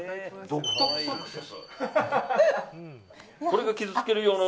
これが傷つける用の。